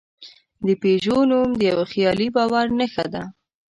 د پيژو نوم د یوه خیالي باور نښه ده.